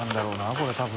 これ多分。